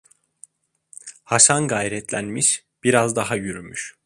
Haşan gayretlenmiş, biraz daha yürümüş.